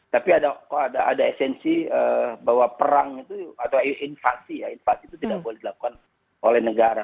tapi ada esensi bahwa perang itu atau invasi ya invasi itu tidak boleh dilakukan oleh negara